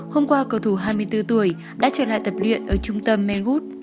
hôm qua cầu thủ hai mươi bốn tuổi đã trở lại tập luyện ở trung tâm man ut